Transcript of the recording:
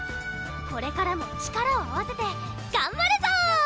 これからも力を合わせてがんばるぞー！